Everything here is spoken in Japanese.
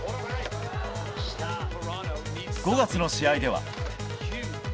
５月の試合では。